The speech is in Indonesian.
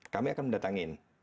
kami akan mendatangin